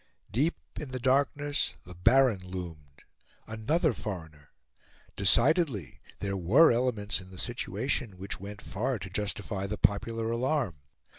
Deep in the darkness the Baron loomed. Another foreigner! Decidedly, there were elements in the situation which went far to justify the popular alarm.